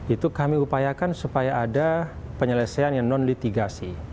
itu kami upayakan supaya ada penyelesaian yang non litigasi